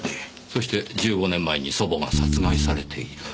そして１５年前に祖母が殺害されている。